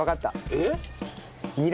えっ！？